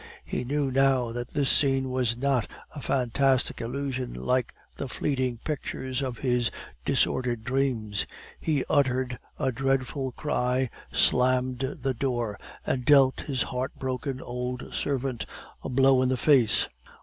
He knew now that this scene was not a fantastic illusion like the fleeting pictures of his disordered dreams; he uttered a dreadful cry, slammed the door, and dealt his heartbroken old servant a blow in the face.